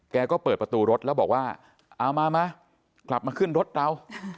แกก็เปิดประตูรถแล้วบอกว่าเอามามากลับมาขึ้นรถเรา